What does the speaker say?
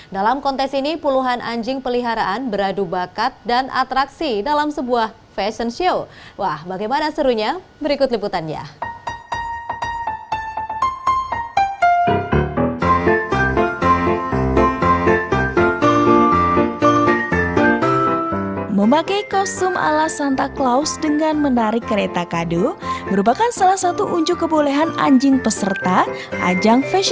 dalam kontes ini puluhan anjing peliharaan beradu bakat dan atraksi dalam sebuah fashion show